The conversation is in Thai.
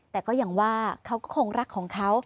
แต่ก็ยังว่าเขาก็คงรักของเขา